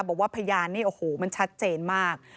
บอกว่าพยานนี่โอ้โหมันชัดเจนมาก